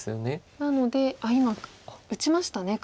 なので今打ちましたね黒。